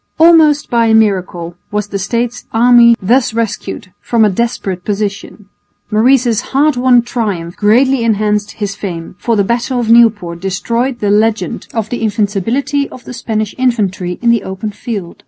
Almost by a miracle was the States' army thus rescued from a desperate position. Maurice's hard won triumph greatly enhanced his fame, for the battle of Nieuport destroyed the legend of the invincibility of the Spanish infantry in the open field.